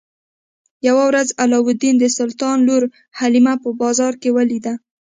یوه ورځ علاوالدین د سلطان لور حلیمه په بازار کې ولیده.